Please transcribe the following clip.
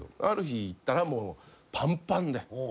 ある日行ったらもうパンパンで。